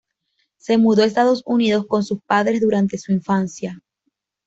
Se mudó a Estados Unidos con sus padres durante su infancia.